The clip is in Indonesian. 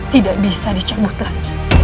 tidak bisa dicabut lagi